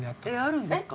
あるんですか？